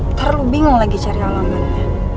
ntar lu bingung lagi cari alamannya